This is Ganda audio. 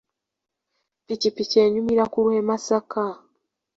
Ppikipiki enyumira ku lw'e Masaka.